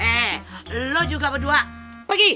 eh lo juga berdua pergi